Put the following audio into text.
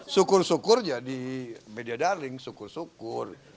sukur sukurnya di media darling sukur sukur